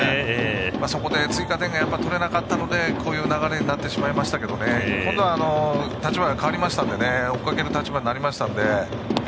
そこで追加点が取れなかったのでこういう流れになってしまいましたけど今度は立場が変わって追いかける立場になりましたので。